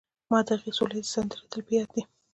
ما د هغې سوله ییزې سندرې تل په یاد دي